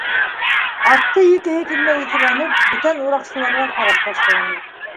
Атты еккеһе килмәй икеләнеп, бүтән ураҡсыларға ҡараш ташланы.